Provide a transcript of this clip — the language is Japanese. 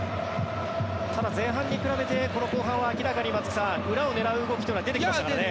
ただ、前半に比べてこの後半は明らかに、松木さん裏を狙う動きというのが出てきましたからね。